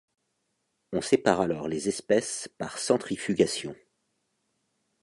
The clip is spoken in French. On sépare alors les espèces par centrifugation.